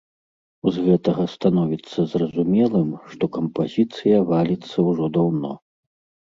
З гэтага становіцца зразумелым, што кампазіцыя валіцца ўжо даўно.